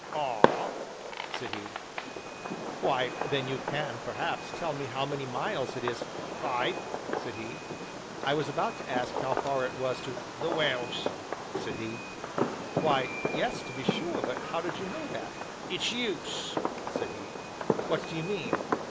"Ah!" said he. "Why, then you can, perhaps, tell me how many miles it is " "Five," said he. "I was about to ask how far it was to " "The Wells!" said he. "Why yes, to be sure, but how did you know that?" "It's use!" said he. "What do you mean?"